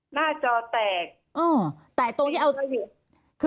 หน้าจอแตก